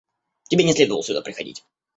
Тебе не следовало сюда приходить.